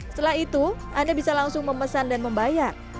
setelah itu anda bisa langsung memesan dan membayar